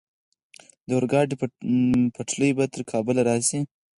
د اورګاډي پټلۍ به تر کابل راشي؟